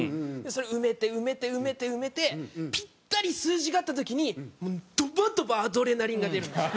それを埋めて埋めて埋めて埋めてピッタリ数字が合った時にどばどばアドレナリンが出るんですよ。